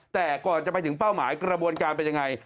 แต่ก่อนจะไปถึงเป้าหมายกระบวนการเป็นยังไง